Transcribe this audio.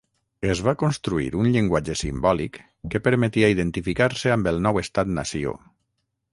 Es va construir un llenguatge simbòlic que permetia identificar-se amb el nou estat nació.